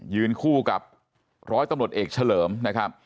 ยืนคู่กับร้อยตำรวจเอกเฉลิมนะครับ